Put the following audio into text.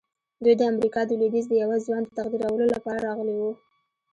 دوی د امریکا د لويديځ د یوه ځوان د تقدیرولو لپاره راغلي وو